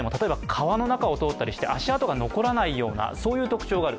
川の中を通ったりして、足跡が残らないようなそういう特徴がある、